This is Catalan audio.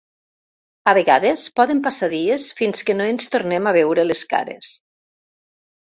A vegades poden passar dies fins que no es tornen a veure les cares.